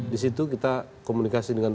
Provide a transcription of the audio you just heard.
di situ kita komunikasi dengan